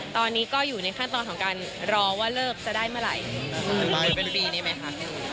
ตอนนี้ก็อยู่ในขั้นตอนของการรอว่าเลิกจะได้เมื่อไหร่หรือเป็นปีนี้ไหมคะ